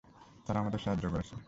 তারা আমাদের সাহায্য করছে।